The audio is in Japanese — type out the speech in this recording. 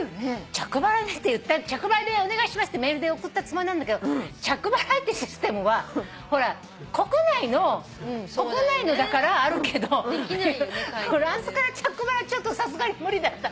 着払いって言った「着払いでお願いします」ってメールで送ったつもりなんだけど着払いってシステムは国内のだからあるけどフランスから着払いはちょっとさすがに無理だった。